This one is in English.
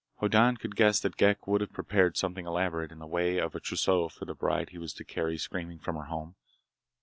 Hoddan could guess that Ghek would have prepared something elaborate in the way of a trousseau for the bride he was to carry screaming from her home.